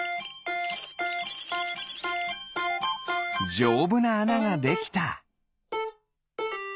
じょうぶなあなができた。